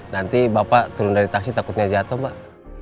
nanti bapak turun dari taksi takutnya jatoh mbak